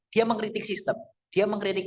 dia mengkritik sistem dia mengkritik